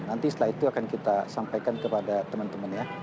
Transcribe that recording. nanti setelah itu akan kita sampaikan kepada teman teman ya